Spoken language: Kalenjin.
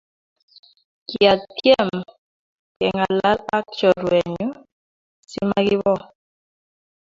kiatem kengalal ak chorwenyu simakiibo